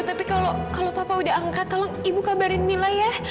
tapi kalau papa udah angkat tolong ibu kabarin mila ya